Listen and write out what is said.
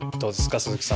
鈴木さん